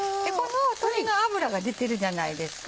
鶏の脂が出てるじゃないですか